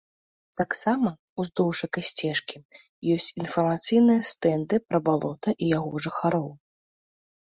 Таксама ўздоўж экасцежкі ёсць інфармацыйныя стэнды пра балота і яго жыхароў.